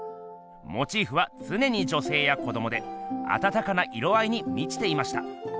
モチーフはつねに女せいや子どもであたたかな色合いにみちていました。